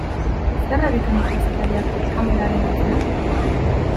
Zer egiten du kazetariak kameraren atzean?